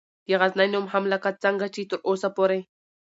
دغزنی نوم هم لکه څنګه چې تراوسه پورې